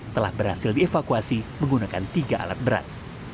telah berhasil dievakuasi menggunakan tiga alat berat